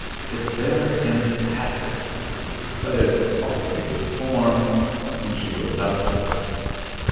It's their impassiveness, but it's awfully good form when she grows up to it."